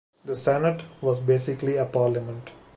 The Senate was basically a Parliament.